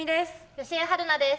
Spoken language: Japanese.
吉江晴菜です。